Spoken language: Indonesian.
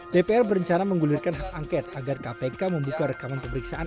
dpr berencana menggulirkan hak angket agar kpk membuka rekaman pemeriksaan